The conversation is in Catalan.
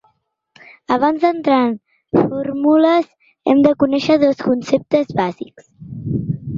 Abans d’entrar en fórmules hem de conèixer dos conceptes bàsics.